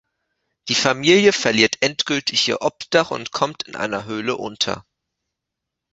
Die Familie verliert endgültig ihr Obdach und kommt in einer Höhle unter.